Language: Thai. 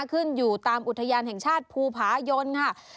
ขึ้นอยู่ตามอุทยานแห่งชาติภูผายนค่ะ